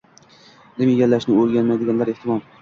Ilm egallashni oʻrganolmagandir ehtimol